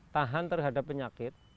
tahan terhadap penyakit